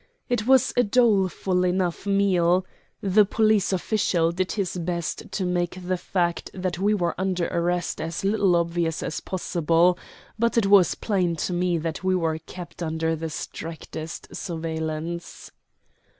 It was a doleful enough meal. The police official did his best to make the fact that we were under arrest as little obvious as possible; but it was plain to me that we were kept under the strictest surveillance.